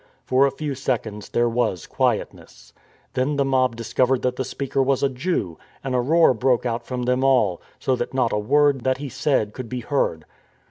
For a few seconds there was quietness. Then the mob discovered that the speaker was a Jew, and a roar broke from them all, so that not a word that he said could be heard.